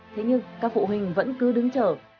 thế nhưng các phụ huynh vẫn cứ đứng chờ